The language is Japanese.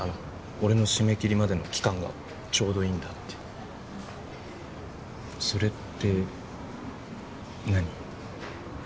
俺の締め切りまでの期間がちょうどいいんだってそれって何？